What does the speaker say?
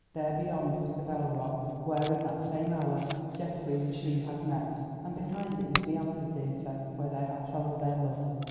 There beyond was the Bell Rock, where in that same hour Geoffrey and she had met, and behind it was the Amphitheatre, where they had told their love.